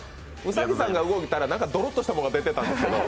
兎さんが動いたらどろっとしたものが出てたんですけど。